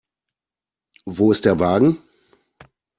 Wo ist der Wagen?